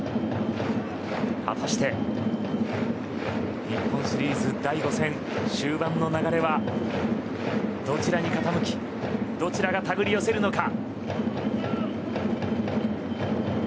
果たして、日本シリーズ第５戦終盤の流れはどちらに傾きどちらがたぐり寄せるのか。